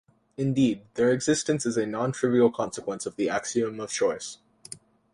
Indeed, their existence is a non-trivial consequence of the axiom of choice.